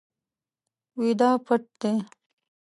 ویده پټ دی